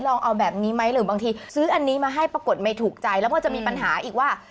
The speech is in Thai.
ลองเอาแบบนี้ไหมหรือบางทีซื้ออันนี้มาให้ปรากฏไม่ถูกใจแล้วก็จะมีปัญหาอีกว่า